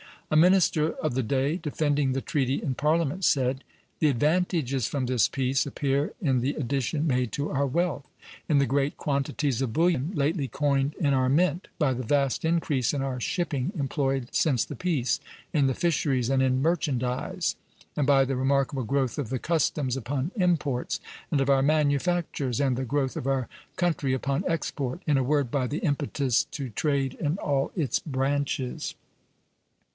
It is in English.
A minister of the day, defending the treaty in Parliament, said: "The advantages from this peace appear in the addition made to our wealth; in the great quantities of bullion lately coined in our mint; by the vast increase in our shipping employed since the peace, in the fisheries, and in merchandise; and by the remarkable growth of the customs upon imports, and of our manufactures, and the growth of our country upon export;" in a word, by the impetus to trade in all its branches.